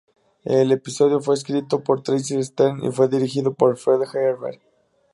El episodio fue escrito por Tracey Stern y fue dirigido por Fred Gerber.